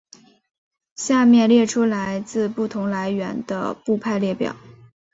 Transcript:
下面列出来自不同来源的部派列表。